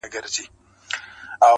چي واکداران مو د سرونو په زاريو نه سي ـ